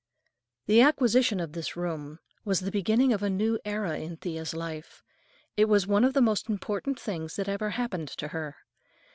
The acquisition of this room was the beginning of a new era in Thea's life. It was one of the most important things that ever happened to her.